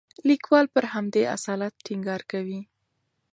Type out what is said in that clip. لیکوال پر همدې اصالت ټینګار کوي.